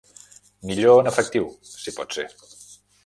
Millor en efectiu, si pot ser.